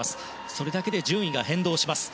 それだけで順位が変動します。